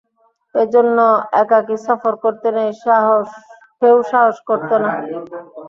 এ জন্য একাকী সফর করতে কেউ সাহস করত না।